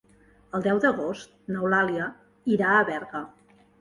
El deu d'agost n'Eulàlia irà a Berga.